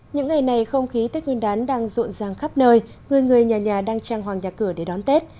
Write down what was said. những ngày này không khí tết nguyên đán đang rộn ràng khắp nơi người người nhà nhà đang trang hoàng nhà cửa để đón tết